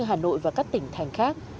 hà nội và các tỉnh thành khác